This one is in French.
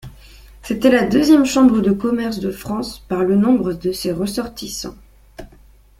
C'était la deuxième Chambre de commerce de France par le nombre de ses ressortissants.